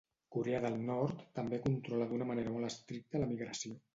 Corea del Nord també controla d'una manera molt estricta l'emigració.